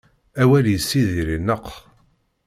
Awal yessidir ineqq.